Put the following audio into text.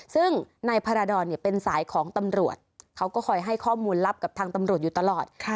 ซึ่งนายพาราดรเป็นสายของตำรวจเขาก็คอยให้ข้อมูลลับกับทางตำรวจอยู่ตลอด